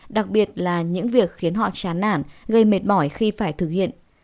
đặc biệt là những việc khiến họ chán nản gây mệt mỏi khi phải thực hiện